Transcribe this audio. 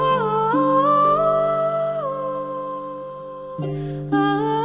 มันเร็วมาก